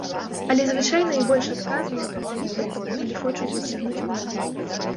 Але звычайна і больш адказныя, працавітыя, калі хочуць дасягнуць выніку.